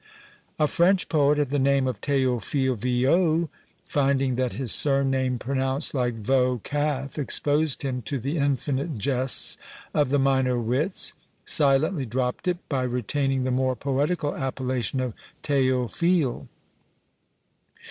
A French poet of the name of Theophile Viaut, finding that his surname pronounced like veau (calf), exposed him to the infinite jests of the minor wits, silently dropped it, by retaining the more poetical appellation of Theophile.